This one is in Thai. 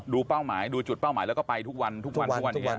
ดูป้าวหมายดูจุดป้าวหมายแล้วไปทุกวันที่นี่